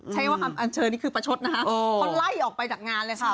ใช้ว่าคำอันเชิญนี่คือประชดนะคะเขาไล่ออกไปจากงานเลยค่ะ